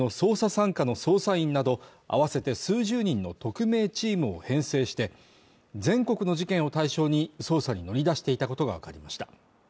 ３課の捜査員など合わせて数十人の特命チームを編成して、全国の事件を対象に、捜査に乗り出していたことがわかりました。